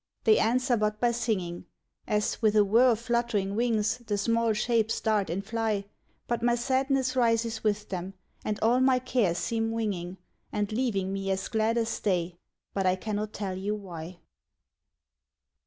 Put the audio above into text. They answer but by singing, As. with a whirr of fluttering wings the small shapes dart and fly ; But my sadness rises with them, and all my cares seem winging, And leaving me as glad as they, but I cannot tell you why.